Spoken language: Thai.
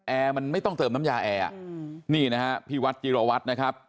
แอร์มันไม่ต้องเติมน้ำยาแอนี่นะครับพี่วัดจีรวรรดินะครับ